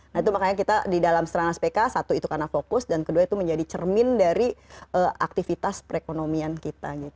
nah itu makanya kita di dalam serana spk satu itu karena fokus dan kedua itu menjadi cermin dari aktivitas perekonomian kita